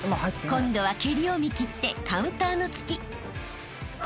［今度は蹴りを見切ってカウンターの突き］